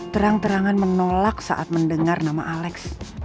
terang terangan menolak saat mendengar nama alex